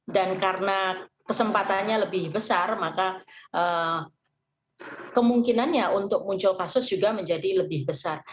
dan karena kesempatannya lebih besar maka kemungkinannya untuk muncul kasus juga menjadi lebih besar